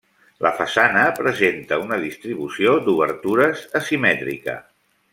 La façana presenta una distribució d'obertures asimètrica.